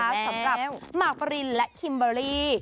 สำหรับหมากปรินและคิมเบอร์รี่